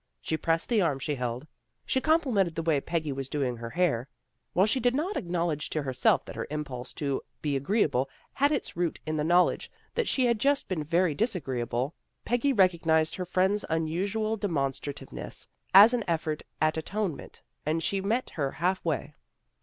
She pressed the arm she held. She complimented the way Peggy was doing her hah*. While she did not acknowledge to herself that her impulse to be agreeable had its root in the knowledge that she had just been AT HOME WITH THE DUNNS 121 very disagreeable, Peggy recognized her friend's unusual demonstrativeness as an effort at at onement, and she met her half way.